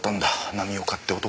浪岡って男は。